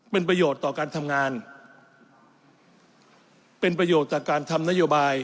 เป็นประโยชน์ต่อการทำงานเป็นประโยชน์ต่อการทำนโยบาย